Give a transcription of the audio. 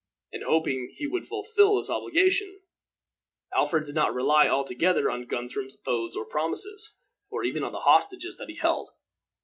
In hoping that he would fulfill this obligation, Alfred did not rely altogether on Guthrum's oaths or promises, or even on the hostages that he held.